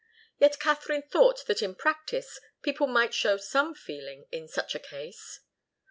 Yet Katharine thought that in practice people might show some feeling in such a case.